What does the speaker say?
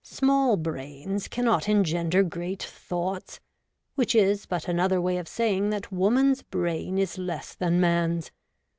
Small brains cannot en gender great thoughts ; which is but another way of saying that woman's brain is less than man's.